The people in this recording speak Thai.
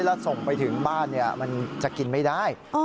ถ้าเป็นไข่ข้นโปะหน้าข้าวได้